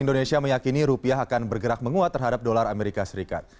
indonesia meyakini rupiah akan bergerak menguat terhadap dolar amerika serikat